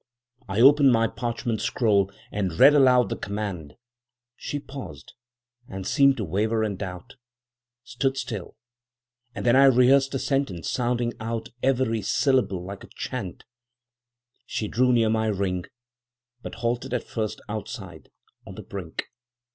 I opened my parchment scroll, and read aloud the command. She paused, and seemed to waver and doubt; stood still; then I rehearsed the sentence, sounding out every syllable like a chant. She drew near my ring, but halted at first outside, on the brink.